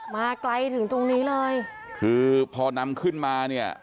มาไกลถึงตรงนี้เลยคือพอนำขึ้นมาเนี่ย